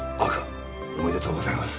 おめでとうございます。